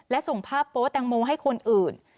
และส่งภาพโป๊แตงโมให้คนอื่น